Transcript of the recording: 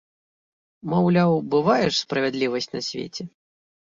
Маўляў, бывае ж справядлівасць на свеце!